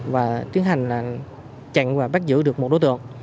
và tiến hành chặn và bắt giữ được một đối tượng